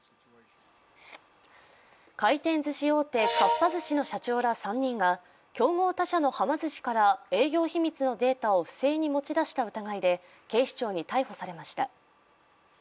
回転ずし大手・かっぱ寿司の社長ら３人が競合他社のはま寿司から営業秘密のデータを不正に持ち出した疑いで警視庁に逮捕されました。